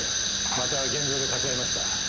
また現場でかち合いました。